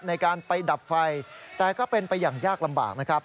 ในการไปดับไฟแต่ก็เป็นไปอย่างยากลำบากนะครับ